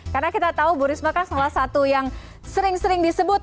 karena kita tahu bu risma kan salah satu yang sering sering disebut